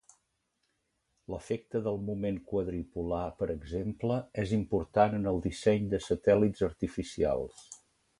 L'efecte del moment quadripolar per exemple és important en el disseny de satèl·lits artificials.